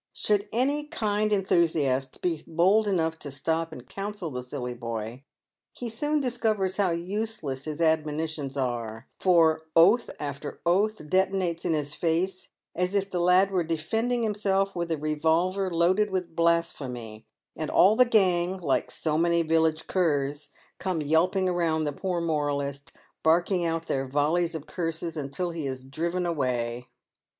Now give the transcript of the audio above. Should any kind enthusiast be bold enough to stop and counsel the silly boy, he soon discovers how useless his admonitions are, for oath after oath de tonates in his face as if the lad were defending himself with a revolver loaded with blasphemy, and all the gang, like so many village curs, come yelping around the poor moralist, barking out their volleys of curses until he is driven away.